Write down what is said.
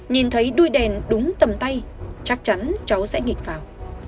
nhìn thấy đuôi đèn đúng tầm tay chắc chắn cháu sẽ nghịch vào